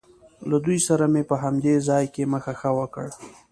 له دوی سره مې په همدې ځای کې مخه ښه وکړ.